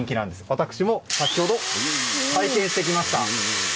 私も先ほど、体験してきました。